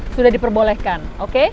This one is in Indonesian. sudah diperbolehkan oke